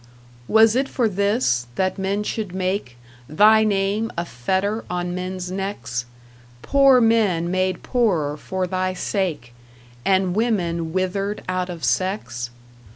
Was it for this that men should make Thy name a fetter on men's necks, Poor men made poorer for thy sake, And women withered out of sex?